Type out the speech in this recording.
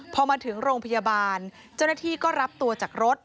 พอมาถึงโรงพยาบาลเจ้าหน้าที่ก็รับตัวจากรถ